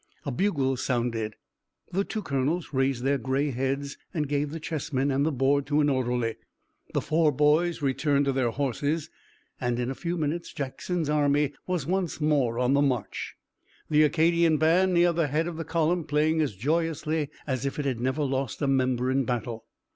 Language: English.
A bugle sounded. The two colonels raised their gray heads and gave the chess men and the board to an orderly. The four boys returned to their horses, and in a few minutes Jackson's army was once more on the march, the Acadian band near the head of the column playing as joyously as if it had never lost a member in battle.